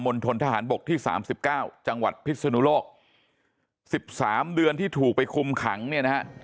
ณฑนทหารบกที่สามสิบเก้าจังหวัดพิศนุโลก๑๓เดือนที่ถูกไปคุมขังเนี่ยนะฮะ